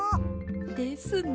ですね。